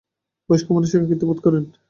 বয়স্ক মানুষ একাকিত্ব বোধ করেন।